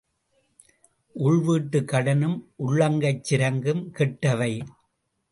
உள் வீட்டுக் கடனும் உள்ளங்கைச் சிரங்கும் கெட்டவை.